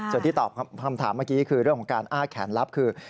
ส่วนที่ตอบคำถามเมื่อกี้คือเรื่องของการอ้าแขนลับคือ